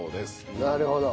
なるほど。